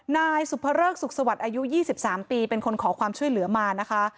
นายสุภเริกสุขสวัสดิ์อายุ๒๓ปีเป็นคนขอความช่วยเหลือมานะคะ